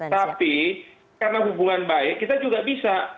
tapi karena hubungan baik kita juga bisa